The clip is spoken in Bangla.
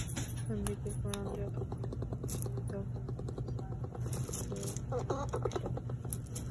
সন্দীপের প্রণাম যখন পেলুম আমার চুরি তখন মহিমান্বিত হয়ে উঠল।